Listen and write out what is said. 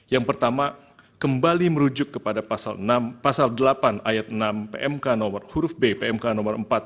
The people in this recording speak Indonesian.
yang pertama kembali merujuk kepada pasal delapan ayat enam pmk no empat tahun dua ribu dua puluh tiga